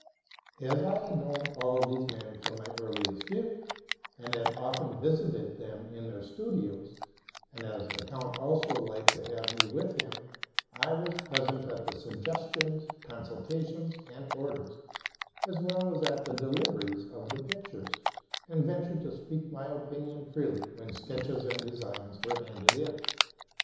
As I had known all these men from my earliest youth, and had often visited them in their studios, and as the count also liked to have me with him, I was present at the suggestions, consultations, and orders, ag well as at the deliveries, of the pictures, and ventured to speak my opinion freely when sketches and designs were handed in.